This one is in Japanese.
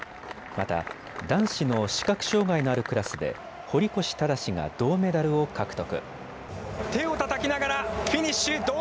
また男子の視覚障害のあるクラスで堀越信司が銅メダルを獲得。